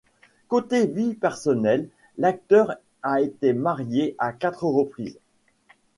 Côté vie personnelle, l'acteur a été marié à quatre reprises.